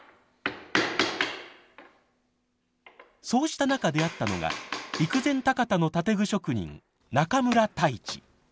そうした中出会ったのが陸前高田の建具職人中村多一。